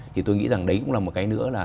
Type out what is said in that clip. thì tôi nghĩ rằng đấy cũng là một cái nữa là